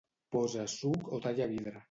Posa suc o talla vidre.